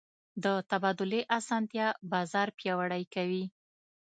د تبادلې اسانتیا بازار پیاوړی کوي.